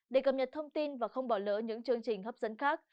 để cập nhật thông tin và không bỏ lỡ những chương trình hấp dẫn khác